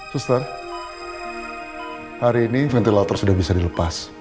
suster hari ini ventilator sudah bisa dilepas